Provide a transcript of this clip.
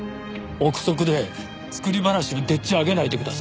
臆測で作り話をでっち上げないでください。